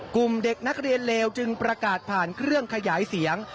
กลุ่มเด็กนักเรียนเลวจึงประกาศผ่านเครื่องขยายเสียง